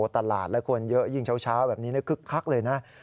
ตลาดและคนเยอะยิ่งเช้าแบบนี้คึกคักเลยนะ